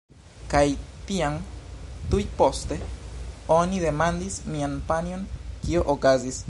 Kaj tiam, tuj poste, oni demandis mian panjon "kio okazis?"